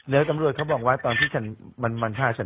แล้วตำรวจเขาบอกว่าตอนที่ฉัน